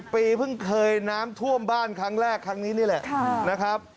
ปีเพิ่งเคยน้ำท่วมบ้านครั้งแรกครั้งนี้นี่แหละนะครับ